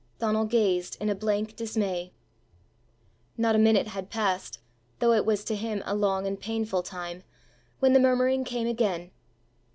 Donal gazed in a blank dismay. Not a minute had passed, though it was to him a long and painful time, when the murmuring came again.